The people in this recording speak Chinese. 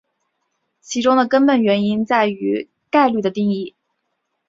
其中的根本原因在于概率的定义。